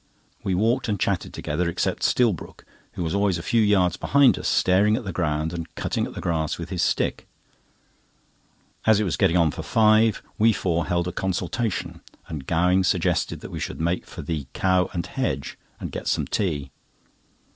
We walked and chatted together, except Stillbrook, who was always a few yards behind us staring at the ground and cutting at the grass with his stick. As it was getting on for five, we four held a consultation, and Gowing suggested that we should make for "The Cow and Hedge" and get some tea.